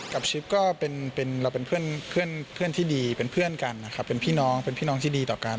ชิปก็เป็นเราเป็นเพื่อนที่ดีเป็นเพื่อนกันนะครับเป็นพี่น้องเป็นพี่น้องที่ดีต่อกัน